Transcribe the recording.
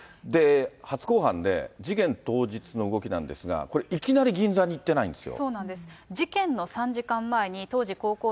初公判で事件当日の動きなんですが、これ、いきなり銀座に行ってないんですよ。